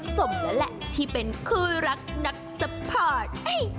สมแล้วแหละที่เป็นคู่รักนักซัพพอร์ต